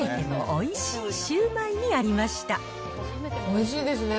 おいしいですね。